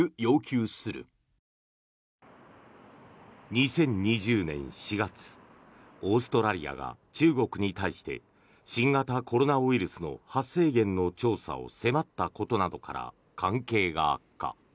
２０２０年４月オーストラリアが中国に対して新型コロナウイルスの発生源の調査を迫ったことなどから関係が悪化。